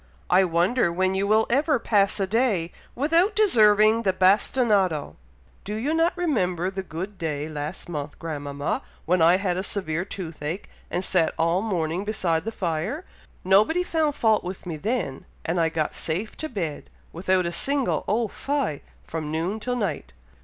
I wonder when you will ever pass a day without deserving the bastinado!" "Do you not remember the good day last month, grandmama, when I had a severe toothache, and sat all morning beside the fire? Nobody found fault with me then, and I got safe to bed, without a single Oh fie! from noon till night."